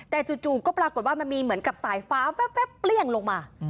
แต่จู่ก็ปรากฏว่ามันมีเหมือนกับสายฟ้าแว๊บเปรี้ยงลงมา